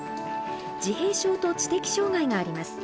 自閉症と知的障害があります。